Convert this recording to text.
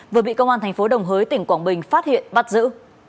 vừa bị công an thành phố đồng hới tỉnh quảng bình phát hiện bắt giữ